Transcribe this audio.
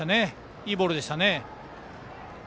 いいボールでした。